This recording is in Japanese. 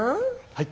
はい。